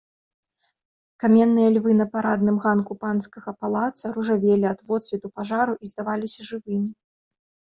Каменныя львы на парадным ганку панскага палаца ружавелі ад водсвету пажару і здаваліся жывымі.